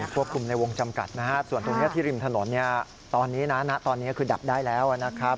ควบคุมในวงจำกัดนะฮะส่วนตรงนี้ที่ริมถนนตอนนี้นะตอนนี้คือดับได้แล้วนะครับ